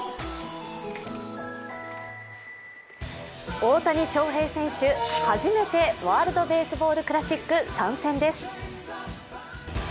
大谷翔平選手、初めてワールド・ベースボール・クラシック参戦です。